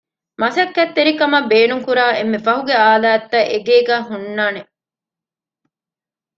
މަސައްކަތްތެރިކަމަށް ބޭނުންކުރާ އެންމެ ފަހުގެ އާލާތްތައް އެގޭގައި ހުންނާނެ